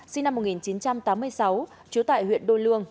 sinh năm một nghìn chín trăm tám mươi sáu chứa tại huyện đô lương